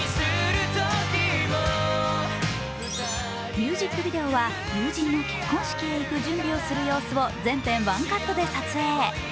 ミュージックビデオは友人の結婚式へ行く準備をする様子を全編ワンカットで撮影。